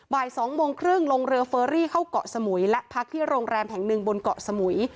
บ่าย๒โมงครึ่งลงเรือเฟอรี่เข้าเกาะสมุยและพักที่โรงแรมแห่งหนึ่งบนเกาะสมุย